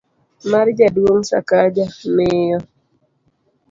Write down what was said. mar Jaduong' Sakaja, miyo